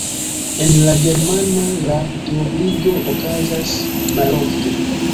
En la germana la duobligo okazas malofte.